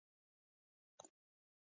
ایا زه باید د اپنډکس عملیات وکړم؟